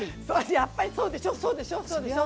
やっぱりそうでしょそうでしょそうでしょ。